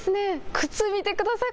靴見てください。